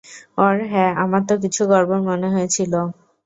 ওহ হ্যাঁ, আমার তো কিছু গড়বড় মনে হয়েছিল।